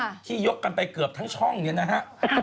ข่าวไทยรัฐที่ยกกันไปเกือบทั้งช่องนี้นะฮะ